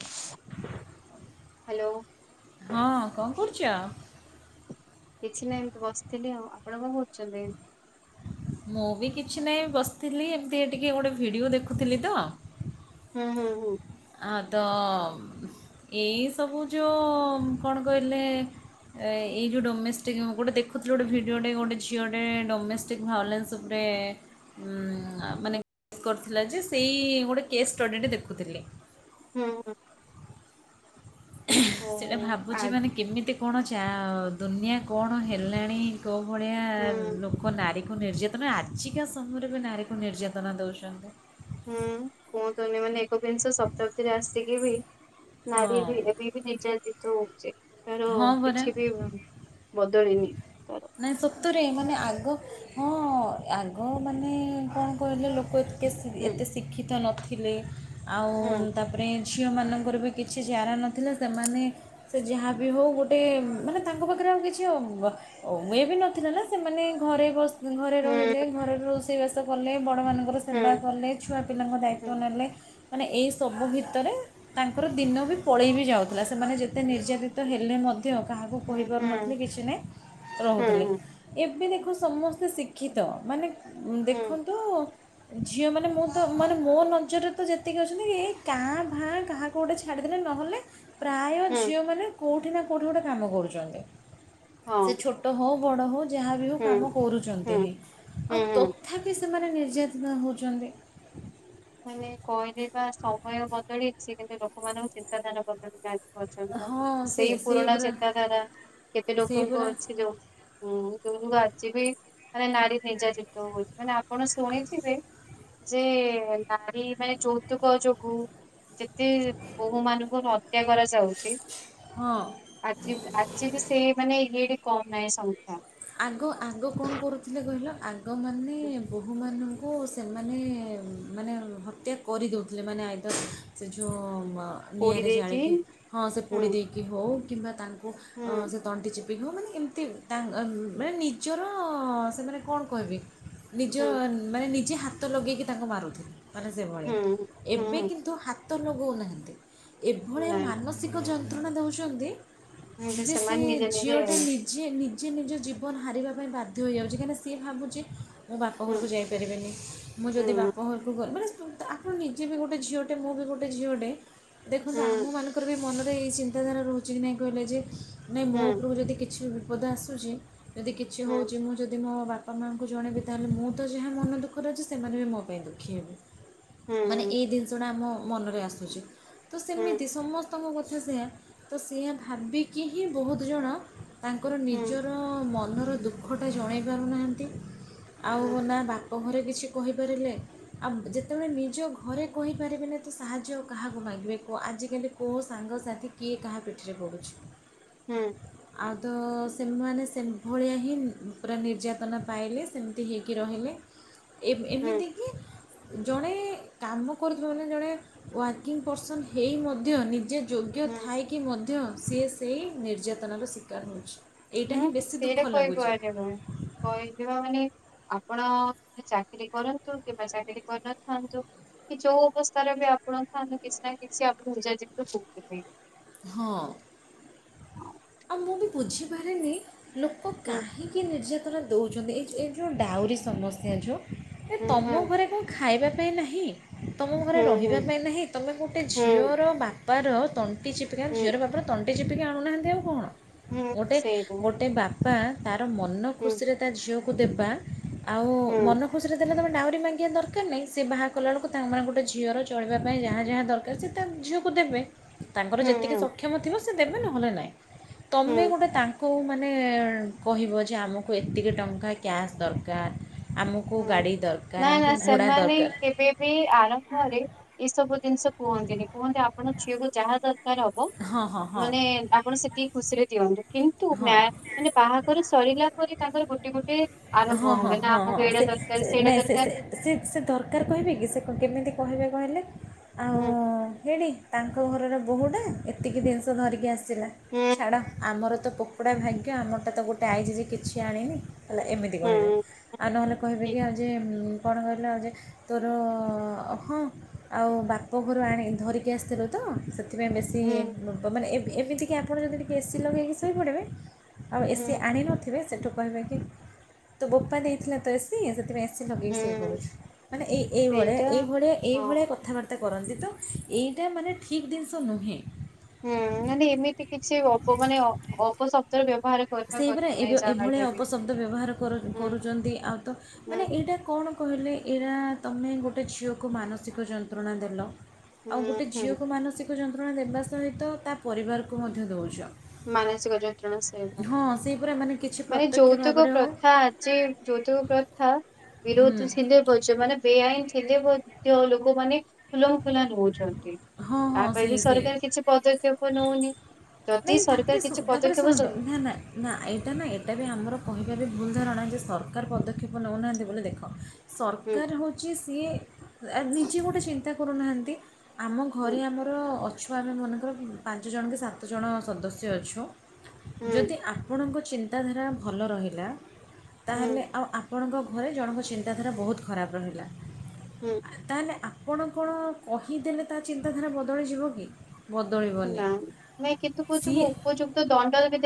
[inaudible] Hello. ହଁ କଣ କରୁଛ? କିଛି ନାହିଁ ଏମିତି ବସିଥିଲି ଆଉ ଆପଣ କଣ କରୁଛନ୍ତି? ମୁଁ ବି କିଛି ନାହିଁ ବସିଥିଲି ଏମିତି ଟିକେ ଗୋଟେ ଭିଡ଼ିଓ ଦେଖୁଥିଲି ତ। ହୁଁ ହୁଁ ହୁଁ। ଆ ତ ଏଇସବୁ ଯେଉଁ କଣ କହିଲେ ଏଇ ଯେଉଁ ଡୋମେଷ୍ଟିକ୍ ଗୋଟେ ଦେଖୁଥିଲି ଗୋଟେ ଭିଡ଼ିଓଟେ ଗୋଟେ ଝିଅଟେ ଡୋମେଷ୍ଟିକ୍ ଭାଇଲାନ୍ସ ଉପରେ ମାନେସ୍ କରିଥିଲା ଯେ ସେଇ ଗୋଟେ କେସ୍ ଷ୍ଟଡ଼ିଟେ ଦେଖୁଥିଲି। ହୁଁ ହ। ସେଇଟା ଭାବୁଛି ମାନେ କେମିତି କଣ ଅଛି। ଚା ଦୁନିଆ କଣ ହେଲାଣି କଉ ଭଳିଆ ହୁଁ ଲୋକ ନାରୀ। ନିର୍ଯାତନା ଆଜିକା ସମୟରେ ବି ନାରୀକୁ ନିର୍ଯାତନା ଦଉଛନ୍ତି। ହୁଁ କୁହନ୍ତୁନି ମାନେ ଏକବିଂଶ ଶପତାବ୍ଦୀରେ ଆସିକି ବି ହଁ ନାରୀ ବି ଏବେ ବି ନିର୍ଯ୍ୟାତିତ ହଉଛି। ତାର ହଁ ପରା କିଛି ବି ବଦଳିିନି। ନାଇଁ ସତରେ ମାନେ ଆଗ ହଁ ଆଗ ମାନେ କଣ କହିଲେ ଲୋକ କେ ହୁଁ ଏତେ ଶିକ୍ଷିତ ନଥିଲେ। ଥିଲେ। ଆଉ ହୁଁ ତାପରେ ଝିଅମାନଙ୍କର ବି କିଛି ଚାରା ନଥିଲା ସେମାନେ ସେ ଯାହା ବିି ହଉ ଗୋଟେ ମାନେ ତାଙ୍କ ପାଖରେ ଆଉ କିଛି ହଉ ମୁଁ ଇଏ ବି ନଥିଲା ନା ସେମାନେ ଘରେ ବସି ଘରେ ହୁଁ ରହିଲେ ଘରେ ର ବାସ କଲେ। ବଡ ମାନଙ୍କର ସେବା ହୁଁ କଲେ। ଛୁଆ ପିଲାଙ୍କ ହୁଁ ଦାୟିତ୍ୱ ନେଲେ। ମାନେ ଏଇ ସବୁ ଭିତରେ ତାଙ୍କର ଦିନ ବି ପଳେଇ ବି ଯାଉଥିଲା। ସେମାନେ ଯେତେ ନିର୍ଯ୍ୟାତିିତ ହେଲେ ହେଲେ ମଧ୍ୟ କାହାକୁ ହୁଁ କହିପାରୁନଥିଲି ହୁଁ କିଛି ନାହିଁ। ହୁଁ ରହୁଥିଲେ। ଏବେ ଦେଖ ସମସ୍ତେ ଶିକ୍ଷିତ ମାନେ ହୁଁ ହୁଁ ଦେଖନ୍ତୁ। ଝିଅମାନେ ମୁଁ ତ ମାନେ ମୋ ନଜରରେ ତ ଯେତିକି ଅଛନ୍ତି। ଏଇ କାଁ ଭାଁ କାହାକୁ ଗୋଟେ ଛାଡିଦେଲେ ନହେଲେ ପ୍ରାୟ ହୁଁ ଝିଅମାନେ କୋଉଠି ନା କେଉଠି ଗୋଟେ କାମ କରୁଛନ୍ତି। ହଁ ସେ ଛୋଟ ହୋଉ ବଡ ହୋଉ ଯାହା ବି ହଉ ହୁଁ କାମ କରୁଛନ୍ତି। ହୁଁ ଆଉ ହୁଁ ହୁଁ ତଥାପି ସେମାନେ ନିର୍ଯ୍ୟାତିତ ହଉଛନ୍ତି। ମାନେ କହିଲିବା ସମୟ ବଦଳିଛି କିନ୍ତୁ ଲୋକମାନଙ୍କ ଚିନ୍ତାଧାରା ବଦଳିବା ଆଜି ପର୍ଯ୍ୟନ୍ତ ହଁ ସେ ସେଇ ପୁରୁଣା ପୁରା ଚେତାଧାରା କେତେ ସେଇ ଲୋକଙ୍କ ପୁରା ଅଛି ଯୋଉଁ ଯୋଉ ଯୁ ଆଜି ବି ମାନେ ନାରୀ ନିର୍ଯ୍ୟା ଯିତ ହଉଛି ମାନେ ଆପଣ ଶୁଣିଥିବେ ଯେ ନାରୀ ମାନେ ଯୌତୁକ ଯୋଗୁ ଯେତେ ବୋହୂ ମାନଙ୍କୁ ହତ୍ୟା କରାଯାଉ ହଁ ଆଜି ଆଜି ବି ସେ ମାନେ ଇଏ କମ୍ ନାହିଁ ସଂଖ୍ୟା। ଲୋକମାନେ ବୋହୁମାନ କୁ ସେମାନେ ମାନେ ହତ୍ୟା କରିଦେଉଥିଲେ ମାନେ ଆଇଦର ସେ ଯୋଉ ପୋଡି ନିଆଁରେ ଦେଇକି ଜାଳିକି ହଁ ସେ ହୁଁ ପୋଡ଼ି ଦେଇକି ହଉ। କିମ୍ବା ତାଙ୍କଙ୍କୁ ହୁଁ କୁ ସେ ତଣ୍ଟି ଚି ମାନେ ଏମିତି ମାନେ ନିଜର ସେମାନେ କଣ କହିବେ? ନିଜ ହୁଁ ମାନେ ନିଜେ ହାତ ଭାତ ଲଗେଇକି ତାଙ୍କୁ ମାରୁଥିଲି। ମାନେ ସେଭଳିଆ ହୁଁ ହୁଁ ଏବେ ହୁଁ କିନ୍ତୁ ହାତ ତ ଲଗଉ ନାହାଁନ୍ତି। ଏଭଳିଆ ନାଇଁ ମାନସିକ ଯନ୍ତ୍ରଣା ଯନ୍ତ୍ରଣା ଦେଉଛନ୍ତି। ଏମିତି ଯେ ସେ ସେମାନେ ନିଜେ ନିଜେ ଝିଅଟା ନିଜେ ନିଜ ନିଜ ନିଜ ଫୋନ ହାରିବା ପାଇଁ ବାଧ୍ୟ ହୋଇଇଯାଉଛି କାହିଁକି ସି ଭାବୁଛି ମୋ ବାପ ହୁଁ ଘରକୁ ଯାଇପାରିବିନି ମୁଁ ଯଦି ହୁଁ ବାପ ଘରକୁ ମାନେ ଆପଣ ନିଜେ ବି ଗୋଟେ ଝିଅଟେ ମ ମୁଁ ବି ଗୋଟେ ଝିଅଟେ ଦେଖନ୍ତୁ ଆମ ମାନଙ୍କର ବି ମନ ତ ଏଇ ଚିନ୍ତାଧାରା ରହୁଛି କି ନାହିଁ କହିଲେ ଯେ ନାଇଁ ମୋ ଉପରକୁ ଯଦି କିଛି ବି। ବୋଧେ ଆସୁଛି ଯଦି କିଛି ହଉଛି ମୁଁ ଯଦି ମୋ ବାପା ବାପା ମଙ୍କୁ ଜଣେଇବି ତାହେଲେ ମୁଁ ତ ଯାହା ମନ ଦୁଃଖରେ ଅଛି ସେମାନେ ବି ମୋ ପାଇଁ ଦୁଃଖୀ ହେବେ। ମାନେ ଏଇ ଜିନିଷଟା ଆମ। ମନରେ ଆସୁଛି ତ ସେମିତି ସମସ୍ତେ ତଙ୍କ କଥା ସେଆ ତ ସେଆ ଭାବିକି ହିଁ ବହୁତ ଜଣ ତାଙ୍କର ନିଜର ହଁ ମନର ଦୁଃଖଟା ଜଣାଇ ପାରୁନାହାନ୍ତି। ଆଉ ନା ବା ଘରେ କିଛି କହିପାରିଲେ ଆଉ ଯେତେବେଳେ ନିଜ ଘରେ କହିପାରିବେ ନାହି ତ ସାହାଯ୍ୟ କାହାକୁ ମାଗିବେ ଆଜିକାଲି କେଉଁ ସାଙ୍ଗସାଥି କିଏ କାହା ପିଠିରେ ପଢ଼ୁଛି ହୁଁ ଆଉ ତ ସେମାନେ ସେ ଭଳିଆ ହିଁ ପୁରା ନିର୍ଯାତନା ପାଇଲେ ସେମିତି ହୋଇଇକି ରହିଲେ ଏ ଏମିତି କି ଜଣେ କାମ କରୁଥିବା ମାନେ ଜଣେ ୱାର୍କିଂ ପର୍ସନ୍ ହେଇ ମଧ୍ୟ ନିଜେ ଯୋଗ୍ୟ ଥାଏ କିି ମଧ୍ୟ ସିଏ ସେହି ନିର୍ଯାତନାର ଶିକାର ହେଉଛି, ଏଇା ହିଁ ବେଶୀ ଦୁଃଖ ସେଇଟା କହି ଲାଗୁଛି କୁହାଯିବ କହିଯିବା ମାନେ ଆପଣ ଚାକିରୀ କରନ୍ତୁ କିମ୍ବା ଚାକିରୀ କରିନଥାନ୍ତୁ କି ଯୋଉ ଅବସ୍ଥାରେ ବି ଆପଣ ଥାନ୍ତୁ କିଛି ନା କିଛି ଆପଣଜ ଯ କଉଥିପାଇଁ ହଁ ଆଉ ମୁଁ ବି ବୁଝିପାରିନି ଲୋକ କାହିଁକି ନିର୍ଜ ଥର ଦେଉଛନ୍ତି ଏଇ ଏଇ ଯେଉଁ ଡାଉରିୀ ସମସ୍ୟା ଯେଉଁ ଏ ତମ ଘରେ କଣ ଖ ଖାଇବା ପାଇଁ ନାହିଁ ତମ ଘରେ ରହିବା ପାଇଁ ନାହିଁ ତମେ ଗୋଟେ ଝିଅର ବାପା ପର ତଟ ଚପ ଜିରରେ ଏିପିକି ଆୁନାହାନ୍ତି ଆଉ କଣ ଗୋଟେ ସେଇଟା ଗୋଟେ ବାପା ହ ମନ ହୁଁ ଖୁସି ରେ ତା ଝିଅ କୁ ଦେବା ଆଉ ମନ ଖୁସିରେ ଥିଲେ ତମେ ଡାଉରି ମାଗିବା ଦରକାର ନାହିଁ ସେ ବାହା କଲାବେଳକୁ ତାଙ୍କମାନେ ଗୋଟେ ଝିଅର ଚଳିବା ପାଇଁ ଯାହା ଯାହା ଦରକାର ସେ ତା ଝିଅକୁ ଦେବେ। ତାଙ୍କର ହୁଁ ଯେତିକି ସକ୍ଷମ ଥିବ ସେ ଦେବେ ନହେଲେ ନାଇଁ। ହୁଁ ହୁଁ ହୁଁ ତମେ ଗୋଟେ ତାଙ୍କ କେଉ ମାନେ କହିବ ଯେ ଆମକୁ ଏତିକି ଟଙ୍କା କ୍ୟାସ୍ ଦରକାର୍। ହୁଁ ନା ନା ସେମାନେ ଦରକାର କେବେ ବି ଆରମ୍ଭରେ ଏସବୁ ଜିନିଷ କୁହନ୍ତିନି କୁହନ୍ତି ମାନେ ଝିଅକୁ ଯାହା ତ ତାର ହବ ହଁ ହଁ ହଁ ମାନେ ଆପଣ ସେତିକି ଖୁସିରେ ଦିଅନ୍ତୁ। କିନ୍ତୁ ମ୍ୟା ହଁ ମାନେ ବାହାଘର ସରିଲା ପରେ ତାଙ୍କର ଗୋଟେ ଗୋଟେ ହଁ ଆରମ୍ଭ ହଁ ହୁଏ ନା ହଁ ହଁ ଆମକୁ ଏଡା ସେ ନାଇଁ ସେ ସେ ସେ ଦରକାର କହିବେ କି ସେ କେମିତି କହିବେ କହିଲେ ଆଉ ହୁଁ ହେଡ଼ି ତାଙ୍କ ଘରର ବୋହୁଟା ଏତିକି ଜିନିଷ ଧରିକି ଆସି ଥିଲା ହୁଁ ଛାଡ଼ ଆମର ପୋକୋଡ଼ା ଭାଗ୍ୟ ଆମରଟା ତ ଗୋଟେ ଆଇଛି ଯେ କିଛି ଆଣିନି। ହେଲା ଏମିତି କହିବେ ହୁଁ ଆଉ ନହେଲେ କହିବେ କି ଠିକ ଆଉ ଯେ କଣ କହିଲେ ଆଉ ଯେ ତୋର ହଁ ଆଉ ବାପ ଘରୁ ଆଣି ଧରିକି ଆସିଥିଲୁ ତ ସେ ସେଥିପାଇଁ ବେଶୀ ହୁଁ ବ ବ ମାନେ ଏମିତିକି ଆପଣ ଯଦି ଟିକେ ଏସି ଲଗେଇକି ସୋ ଶୋଇପଡ଼ିବେ ଆଉ ହୁଁ ଏସି ଆଣି ନଥିବେ ସେଠୁ କହିବେ କି ତୋ ବୋପା ଦେଇଥିଲା ତ ଏସି ସେଥିପାଇଁ ଏସି ଲଗେଇକି ହୁଁ ଶୋଇପଡ଼ୁଛି ମାନେ ଏଇ ଏଇଭଳି ସେଇଟା ଏଇଭଳିଆ ହଁ ଏଇଭଳିଆ କଥାବାର୍ତ୍ତା କରନ୍ତି ତ ଏଇଟା ମାନେ ଠିକ୍ ଜିନିଷ ନୁହେଁ। ହୁଁ ମାନେ ଏମିତି କିଛି ଅପ ମାନେ ଅପଶବ୍ଦର ବ୍ୟବ ସେହିପରା ଏବେ ଏଭଳିଆ ଅପଶବ୍ଦ ବ୍ୟବହାର ହୁଁ କରୁଛନ୍ତି ଆଉ ତ ହୁଁ ମାନେ ଏଇଟା କଣ କହିଲେ ଏଇରା ତମେ ଗୋଟେ ଝିଅକୁ ମାନସିକ ଯନ୍ତ୍ରଣା ଦେଲ। ହୁଁ ଆଉ ଗୋଟେ ହୁଁ ଝିଅକୁ ମାନସିକ ଯନ୍ତ ଯନ୍ତ୍ରଣା ଦେବା ସହିତ ତା ପରିବାରକୁ ମଧ୍ୟ ଦେଉଛ। ମାନସିକ ଯ ନ୍ତ୍ରଣା ସହିବ ହଁ ସେଇ ପରା ମାନେ କିଛି ମାନେ ପ୍ରତ୍ୟକ୍ଷ ଯୌତୁକ ଭାବରେ ହେଉ ପ୍ରଥା ଆଜି ଯୌତୁକ ପ୍ରଥା ବିରୋଧ ଥିଲେ ବଜ ମାନ ବେଆଇନ ଥିଲେ ମ ଯଉ ଲୋକମାନେ ଖୁଲମ ଖୁଲା ନଉଛନ୍ତି। ହଁ ତା ହଁ ପାଇଁ ସେଇ ବି ସେଇ ସରକାର କିଛି ପଦକ୍ଷେପ ନଉନି। ଯଦି ନାଇଁ ତାପରେ ସରକାର କିଛି ତାପରେ ପଦକ୍ଷେପ ଶୁଣନ୍ତ ସବୁ ନା ନା ନା ଏଇଟା ନା ଏଇଟା ବି ଆମର କହିବାବି ଭୁଲ ଧାରଣା ଯେ ସରକାର ପଦକ୍ଷେପ ନେଉନାହାଁନ୍ତି ବୋଲି ଦେଖ ହୁଁ ସରକାର ହେଉଛି ସିଏ ନିଜେ ଗୋଟେ ଚିନ୍ତା କରୁନାହାନ୍ତି। ଆମ ହୁଁ ଘରେ ଆମର ଅଛ ସ ଆମେ ମନେକର ପାଞ୍ଚ ଜଣକି ସାତ ସାତ ଜଣ ସଦସ୍ୟ ଅଛୁ। ହୁଁ ଯଦି ଆପଣଙ୍କ ଚିନ୍ତାଧାରା ଭଲ ରହିଲା। ହୁଁ ତାହେଲେ ଆଉ ଆ ଆପଣଙ୍କ ଘରେ ଜଣଙ୍କ ଚିନ୍ତାଧାରା ବହୁତ ଖରାପ ରହିଲା ହୁଁ ତାହଲେ ଆ କଣ କଣ କହିଦେଲେ ତା ଚିନ୍ତାଧାରା ବଦଳିଯିବ କି? ବଦଳିବନି। ଏ କିନ୍ତୁ କହୁଚୁ ମୁ ସିଏ ଉପଯୁକ୍ତ ଦଣ୍ଡ ଯଦି ଦେ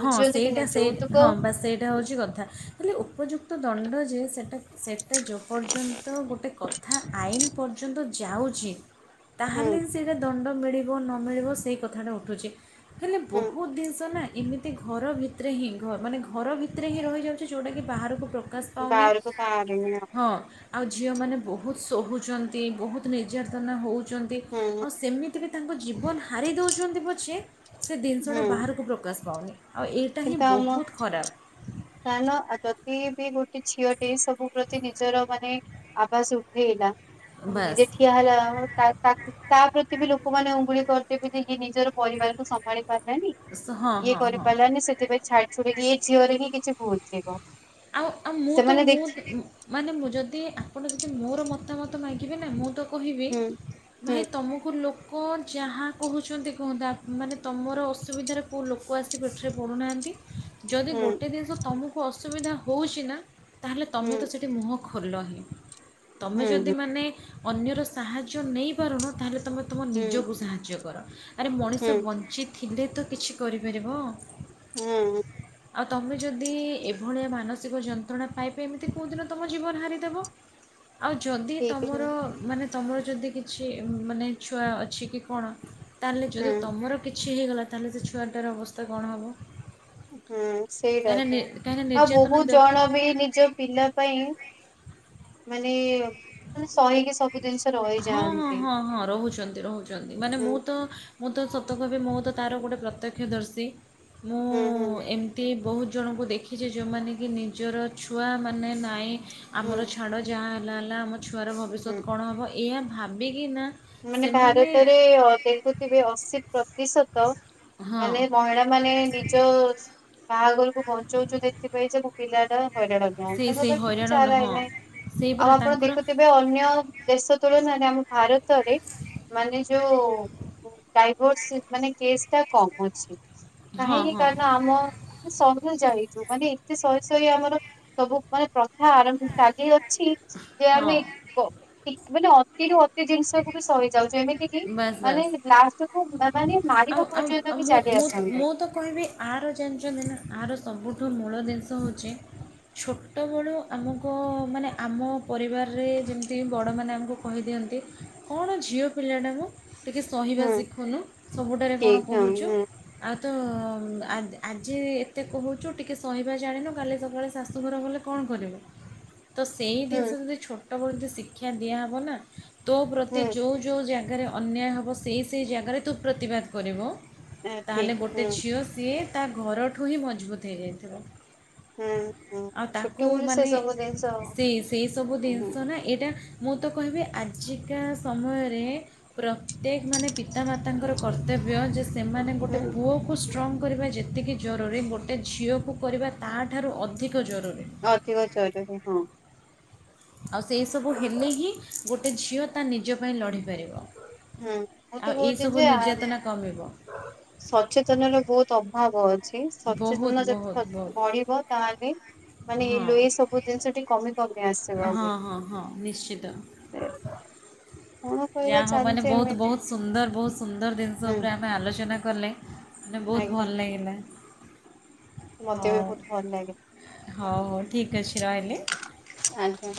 ହଁ, ସେଇଟା ସେ ହଁ ବା ସେଇଟା ହେଉଚି କଥା, ହେଲେ ଉପଯୁକ୍ତ ଦଣ୍ଡ ଯେ ସେଟା ସେଟ୍ ଏଟା ଯେ ପର୍ଯ୍ୟନ୍ତ ଗୋଟେ କଥା ଆଇନ ପର୍ଯ୍ୟନ୍ତ ଯାଉଛି ତାହଲେ ହୁଁ ସେଇଟା ଦଣ୍ଡ ମିଳିବ ନ ମିଳିବ ସେଇ କଥାଟା ଉଠୁଚି। ହେଲେ ହୁଁ ବହୁତ ଦିନ୍ ତ ନା ଏମିତି ଘର ଭିତ୍ରେ ହିଁ ଘ ମାନେ ଘର ଭିତ୍ରେ ହିଁ ରହିଯାଉଚି ଯଉଟା କି ବାହାରକୁ ପ୍ରକାଶ ପାଉନି। ବାହାରକୁ ବାହାରୁନି ଆଉ ହଁ। ଆଉ ଝିଅମାନେ ବହୁତ ଶୋହୁଚନ୍ତି, ବହୁତ ନିର୍ଯାତନା ହଉ ଚନ୍ତି, ହୁଁ ଆଉ ସେମିତି ରେ ତାଙ୍କ ଜୀବନ ହାରି ଦେଉଚନ୍ତି ପଛେ ସେ ଜିନିଷଟା ହୁଁ ବାହାରୁ କାସ୍ ପାଉନି। ଆଉ ଏଇଟା ହିଁ କିନ୍ତୁ ଆମ ବହୁତ ଖରାପ। ଆ ନ, ଆଉ ଯଦି ବି ଗୋଟେ ଝିଅଟେ ସବୁ ପ୍ରତି ନିଜର ମାନେ ଆବାସ ଉଠେଇଲା! ନେ ନିଜେ ବାସ୍ ଠିଆ ହେଲା, ତା ତା-ତା ପ୍ରତି ବି ଲ ଲୋକମାନେ ଉଙ୍ଗୁଳି କରିଦେବି ଯେ ୟେ ନିଜର ପରିବାରକୁ ସମ୍ଭାଳିପାର ନା ନାଇ, ସ- ହଁ ଇଏ ହଁ କରି ହଁ ପାରିଲାନି ସେଥିପାଇଁ ଛାଡି ଛୁଡ଼ିକି ଇଏ ଝିଅର ହିଁ କି ସେ ପହୁଚି ଯିବ। ଆଉ ଆଉ ମୁଁ ତ ମୁଁ [unintelligible] ମାନେ ମୁଁ ଯଦି ଆପଣ ଯ ଦି ମୋର ମତାମତ ମାଗିବେ ନା ମୁଁ ତ କହିବି ହୁଁ ହୁଁ ଭାଇ ତମକୁ ଲୋ କ କଣ ଯାହା କହୁଚନ୍ତି କୁହତ, ଆ ମାନେ ତମର ଅସୁବିଧାରେ କଉ ଲୋକ ଆସି ପିଠିରେ ପଡୁନାହାନ୍ତି। ଯଦି ହୁଁ ଗୋଟେ ଜିନିଷ ତମକ ଅସୁବିଧା ହଉଚିନା, ତାହେଲେ ହୁଁ ତମେ ତ ସେଠି ମୁହଁ ଖୋଲ ହଁ ତମେ ଯଦି ହୁଁ ମାନେ ଅନ୍ୟର ସାହାଯ୍ୟ ନେଇପାରୁନ ତାହେଲେ, ତୁମେ ତୁମ ହୁଁ ନିଜକୁ ସାହାଯ୍ୟ କର କର ଆରେ ହୁଁ ମଣିଷ ବଞ୍ଚିତ ଥିଲେ ତ କିଛି କରିପାରିବ, ହଁ ଆଉ ତମେ ଯଦି ଏଭଳିଆ ମାନସ ମାନସିକ ଯନ୍ତ୍ରଣା ପାଇବେ ଏମିତି କେଉଁଦିନ ତୁମ ଜୀବନ ହାରିଦେବ, ଆଉ ଯଦି ଠିକ ତମର ହୁଁ ମାନେ ତୁମର ଯଦି କିଛି ମାନେ ଛୁଆ ଅଛି କି କଣ ତାହେଲେ ଯଦି ତମର କିଛି ଛି ହେଇଗଲା ତାହେଲେ ସେ ଛୁଆଟାର ଅବସ୍ଥା କଣ ହେବ, ହୁଁ ସେଇଟା କାହିଁକିନା ତ କାହିଁକିନା ଆଉ ବହୁତ ନିର୍ଯାତନା ଜଣ ବି ନିଜ ପିଲା ପାଇଁ ମାନେ ମାନେ ସହକି ସବୁ ଜିନିଷ ହଁ ହଁ ରହିଯାଆନ୍ତି ହଁ ହଁ ରହୁଛନ୍ତି ରହୁଛନ୍ତି ମାନେ ହୁଁ ମୁଁ ତ ମୁଁ ତ ସତ କହିବି ମୁଁ ତ ତର ଗୋଟେ ପ୍ରତ୍ୟକ୍ଷଦର୍ଶୀ ମୁଁ ହୁଁ ହୁଁ ଏମିତି ବହୁତ ଜଣଙ୍କୁ ଦେଖିଛି ଯେଉଁମାନେ କି ନିଜର ଛୁଆମାନେ ନାଇଁ ହୁଁ ଆମର ଛାଡ ଯାହା ହେଲା ହେଲା ଆମ ଛୁଆର ହୁଁ ଭବିଷ୍ୟତ କଣ ହବ? ଏଇଆ ଭାବି କି ନା ମାନେ ଭାରତରେ ଦେଖୁଥିବେ ଅଶୀ ପ୍ରତି ପ୍ରତିଶତ ହଁ ମାନେ ମହିଳା ମାନେ ନିଜ ବାହାଘରକୁ ବଞ୍ଚଉଛନ୍ତି ସେଥିପାଇଁ ଯେ ମୋ ପିଲାଟା ହଇରାଣ ନ ସେଇ ହଉ ସେଇ ତାଙ୍କ କିଛି ହଇରାଣ ନ- ଚାରା ହିଁ ହଁ ନାହିଁ ସେଇ ଆଉ ପରା ଆପଣ ତାଙ୍କର ଦେଖୁଥିବେ ଅନ୍ୟ ଦେଶ ତୁଳନାରେ ଆମ ଭାରତ ତ଼ରେ ମାନେ ଯୋଉ ଡାଇଭର୍ସ ମାନେ କେସ୍ ଟା କମ ଅଛି। ହଁ କାହିଁକି ହଁ କାରଣ ଆମ ସ ଯାଇଛୁ ମାନେ ଏତେ ଶହେ ଶହେ ଆମର ସବୁ ମାନେ କଥା ଆରମ୍ଭ ଚାଲି ଅଛି ଯେ ହଁ ଆମେ ମାନେ ଅତିରୁୁ ଅତି ଜିନିଷ ମୁଁ ବି ସହିଯାଉଛି। ବାସ୍ ବାସ୍ ମାନେ ଆଉ ମାରିବା ଆଉ ପର୍ଯ୍ୟନ୍ତ ଆଉ ବି ଚାଲି ମୁଁ ଆସନ୍ତି। ମୁଁ ତ କହିବି ଆର ଜାଣିଛନ୍ତି ନା ଆର ସବୁ ମୂଳ ଜିନିଷ ହେଉଛି ଛୋଟବେଳୁ ଆମକୁ ମାନେ ଆମ ପରିବାରରେ ଯେମିତି ବଡ଼ମାନେ ଆମକୁ କହିଦିଅନ୍ତି କଣ ଝିଅ ପିଲାଟା ମ ଟିକେ ସହିବା ହୁଁ ଶିଖୁନୁ ସବୁଟାରେ କଣ ଠିକ କହୁଛୁ ହଁ ଆଉ ତ ଆଜି ଏତେ କହୁଛୁ ଟିକେ ସହିବା ଜାଣିନୁ କାଲି ସକାଳେ ଶାଶୂଘର ଗଲେ କଣ କରିବୁ? ତ ସେଇ ହୁଁ ଜିନିଷ ହୁଁ ଯଦି ଛୋଟବେଳେ ଯଦି ଶିଖ ଶିକ୍ଷା ଦିଆ ହବ ନା ତୋ ପ୍ରତି ହୁଁ ଯୋଉ ଜାଗାରେ ଅନ୍ୟାୟ ହେବ ସେଇ ସେଇ ଜାଗାରେ ତୁ ପ୍ରତିବାଦ କରିବୁ। ଏ ତାହେଲେ ଠିକ ଗୋଟେ ହୁଁ ଝିଅ ସିଏ ତା ଘରଠୁ ହିଁ ମଜବୁତ ହେଇଯାଇଥିବ। ହୁଁ ହୁଁ ଆଉ ତାକୁ ଛୋଟବେଳୁ ସେ ମାନେ ସବୁ ଜିନିଷ ସେଇ ସେଇ ସବୁ ହୁଁ ଜିନିଷ ନା ଏଇଟା ମୁଁ ତ କହିବି ଆଜିକା ସମୟରେ ପ୍ରତ୍ୟେକ ମାନେ ପିତାମାତାଙ୍କର କର୍ତ୍ତବ୍ୟ ଯେ ସେମାନେ ଗୋଟେ ହୁଁ ପୁଅକୁ ଷ୍ଟ୍ରଙ୍ଗ୍ କରିବା ଯେତିକି ଜରୁରୀ ଗୋଟେ ଗୋଟେ ଝିଅକୁ କରିବା ତାହାଠାରୁ ଅଧିକ ଜରୁରୀ। ଅଧିକ ଜରୁରୀ ହଁ। ଆଉ ସେଇ ସବୁ ହେଲେ ହିଁ ଗୋଟେ ଝିଅ ତା ନିଜ ପାଇଁ ଲଢ଼ିପାରିବ। ହୁଁ ମୁଁ ତ ଆଉ କହୁଛି ଏଇସବୁ ଯେ ନିର୍ଯାତନା କମିବ ସଚେତନର ବହୁତ ଅଭାବ ଅଛି। ଅଛି ବହୁତ ସଚେତନ ବହୁତ ଯଦି ବହୁତ ବଢିବ ତାହେଲେ ମାନେ ହଁ ଲୋହ ସବୁ ଜିନିଷଟି କମି କମି ଆସିବ ହଁ ବୋଲି ହଁ ହଁ ନିଶ୍ଚିତ କଣ କହିବା ଯାହା ହବ ମାନେ ଚାଲିଛି ବହୁତ ଏମିତି ବହୁତ ସୁନ୍ଦର ବହୁତ ସୁନ୍ଦର ଜିନିଷ ହୁଁ ଉପରେ ଆମେ ଆଲୋଚନା କଲେ। ମାନେ ବହୁତ ଆଜ୍ଞା ଭଲ ଲାଗିଲା। ମତେ ବି ହଉ ବହୁତ ଭଲ ଲାଗେ। ହଉ ହଉ ଠିକ୍ ଅଛି ରହିଲି। ଆଜ୍ଞା